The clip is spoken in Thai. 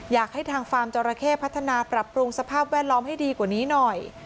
อยากให้ทางฟาร์มจราเข้พัฒนาปรับปรุงสภาพแวดล้อมให้ดีกว่านี้หน่อย